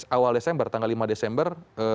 awal desember tanggal lima desember